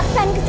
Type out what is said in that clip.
aksan ke sini